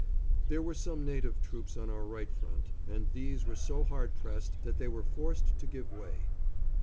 There were some native troops on our right front, and these were so hard pressed that they were forced to give way.